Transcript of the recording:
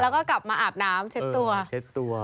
แล้วก็กลับมาอาบน้ำเช็ดตัว